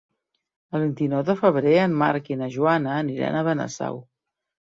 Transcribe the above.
El vint-i-nou de febrer en Marc i na Joana aniran a Benasau.